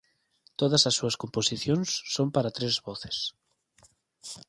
Todas as súas composicións son para tres voces.